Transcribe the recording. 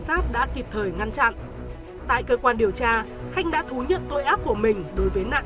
sát đã kịp thời ngăn chặn tại cơ quan điều tra khanh đã thú nhận tội ác của mình đối với nạn